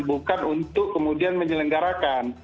bukan untuk kemudian menyelenggarakan